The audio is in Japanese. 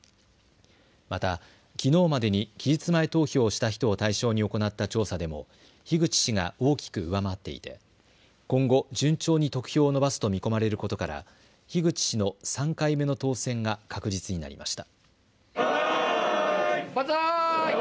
またきのうまでに期日前投票をした人を対象に行った調査でも樋口氏が大きく上回っていて今後順調に得票を伸ばすと見込まれることから樋口氏の３回目の当選が確実になりました。